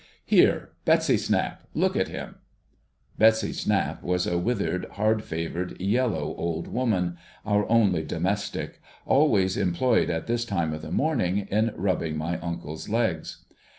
' Here ! Betsy Snap ! Look at him !' Betsy Snap was a withered, hard favoured, yellow old woman — our only domestic — always employed, at this time of the morning, in rubbing my uncle's legs.